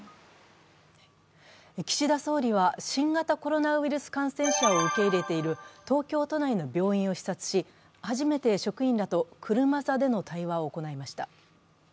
岸田総理は新型コロナ感染者を受けていれている東京都内の病院を視察し、初めて職員らと車座での対話を行いました。